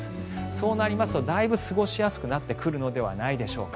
そうなりますとだいぶ過ごしやすくなってくるのではないでしょうか